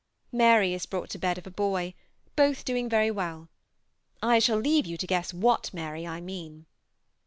Mary is brought to bed of a boy, both doing very well. I shall leave you to guess what Mary I mean.